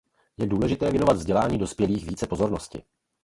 Je důležité věnovat vzdělávání dospělých více pozornosti.